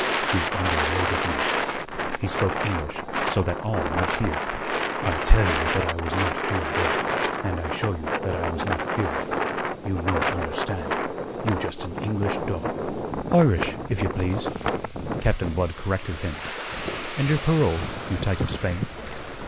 "You underrated me." He spoke English, so that all might hear. "I tell you that I was not fear death, and I show you that I was not fear it. You no understand. You just an English dog." "Irish, if you please," Captain Blood corrected him. "And your parole, you tyke of Spain?"